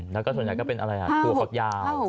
แล้วก็ส่วนใหญ่ก็เป็นอะไรถั่วฝักยาว